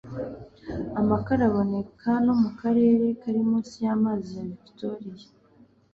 amakara aboneka no mu karere kari munsi y'amazi ya victoria